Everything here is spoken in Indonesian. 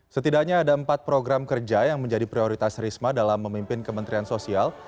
setidaknya ada empat program kerja yang menjadi prioritas risma dalam memimpin kementerian sosial